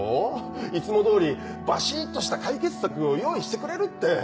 いつも通りバシっとした解決策を用意してくれるって！